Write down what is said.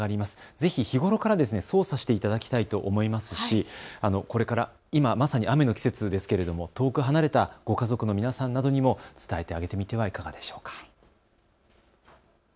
ぜひ日頃から操作していただきたいと思いますしこれから今まさに雨の季節ですけれども遠く離れたご家族の皆さんなどにも伝えてあげてみてはいかがでしょうか。